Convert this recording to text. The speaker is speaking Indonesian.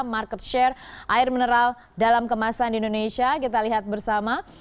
market share air mineral dalam kemasan di indonesia kita lihat bersama